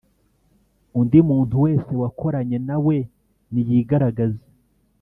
undi muntu wese wakoranye nawe niyigaragaze